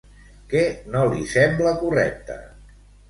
Què no li sembla correcte?